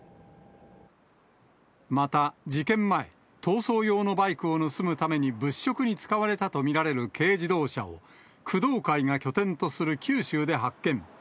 また事件前、逃走用のバイクを盗むために物色に使われたと見られる軽自動車を、工藤会が拠点とする九州で発見。